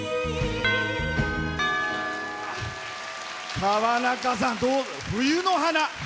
川中さん「冬の華」。